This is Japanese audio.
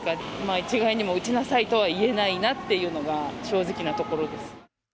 一概にも、打ちなさいとは言えないなというのが正直なところです。